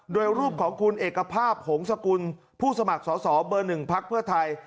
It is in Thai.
โดยรูปของคุณเอกภาพหงษกุลผู้สมัครสอสอเบอร์๑พักเพื่อไทย